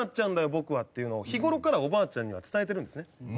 僕は」っていうのを日頃からおばあちゃんには伝えてるんですね。